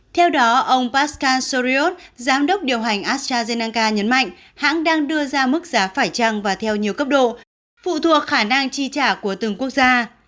theo đó ông parscariot giám đốc điều hành astrazeneca nhấn mạnh hãng đang đưa ra mức giá phải trăng và theo nhiều cấp độ phụ thuộc khả năng chi trả của từng quốc gia